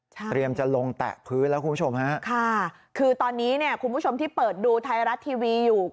เตรียมจะลงแตะพื้นแล้วคุณผู้ชมฮะค่ะคือตอนนี้เนี่ยคุณผู้ชมที่เปิดดูไทยรัฐทีวีอยู่